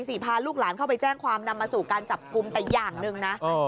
พาลูกหลานเข้าไปแจ้งความนำมาสู่การจับกลุ่มแต่อย่างหนึ่งนะ